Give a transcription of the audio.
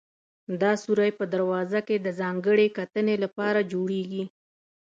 دا سورى په دروازه کې د ځانګړې کتنې لپاره جوړېږي.